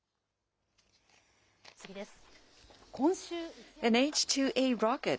次です。